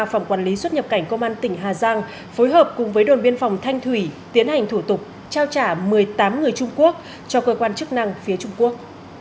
phòng quản lý xuất nhập cảnh công an tỉnh hà giang phối hợp cùng với đồn biên phòng thanh thủy tiến hành thủ tục trao trả một mươi tám người trung quốc cho cơ quan chức năng phía trung quốc